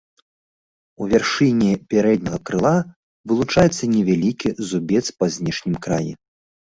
У вяршыні пярэдняга крыла вылучаецца невялікі зубец па знешнім краі.